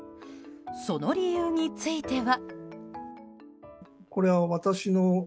その理由については。